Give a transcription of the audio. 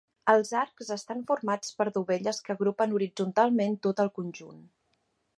Els arcs estan formats per dovelles que agrupen horitzontalment tot el conjunt.